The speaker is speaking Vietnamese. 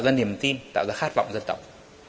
tạo ra niềm tin tạo ra khát vọng dân tộc